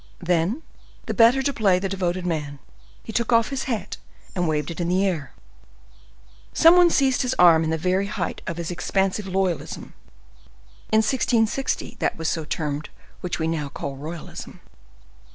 Then, the better to play the devoted man, he took off his hat and waved it in the air. Some one seized his arm in the very height of his expansive loyalism. (In 1660 that was so termed which we now call royalism.)